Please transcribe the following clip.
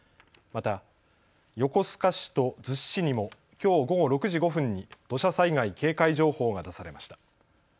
また、横須賀市と逗子市にもきょう午後６時５分に土砂災害警戒情報が出されました。